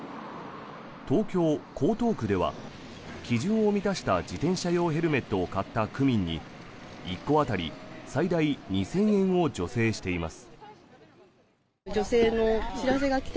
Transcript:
東京・江東区では基準を満たした自転車用ヘルメットを買った区民に１個当たり最大２０００円を助成しています。